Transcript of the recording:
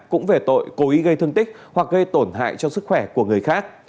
cũng về tội cố ý gây thương tích hoặc gây tổn hại cho sức khỏe của người khác